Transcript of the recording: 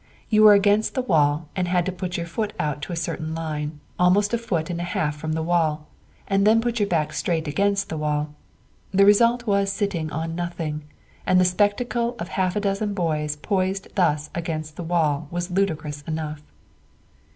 You were against the wall and had to put your foot out to a certain line, almost a foot and a half from the wall, and then put your back straight against the wall. The result was sitting on nothing, and the spectacle of half a dozen boys poised thus against the wall was ludicrous enough.